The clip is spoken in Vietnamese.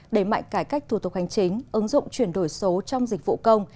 đẩy mạnh cải cách thủ tục hành chính ứng dụng chuyển đổi số trong dịch vụ công